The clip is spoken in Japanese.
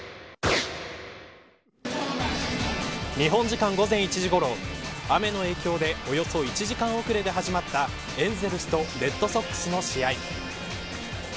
日本時間午前１時ごろ雨の影響でおよそ１時間遅れで始まったエンゼルスとレッドソックスの試合。